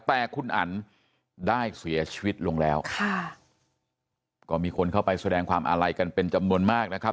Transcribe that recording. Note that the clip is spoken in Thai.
แต่คุณอันได้เสียชีวิตลงแล้วค่ะก็มีคนเข้าไปแสดงความอาลัยกันเป็นจำนวนมากนะครับ